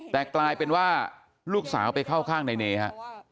แต่กลายเป็นว่าลูกสาวไปเข้าข้างในเนฮะ